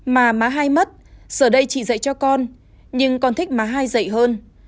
mà má hai mất giờ đây chỉ dạy cho con nhưng con thích má hai dạy hơn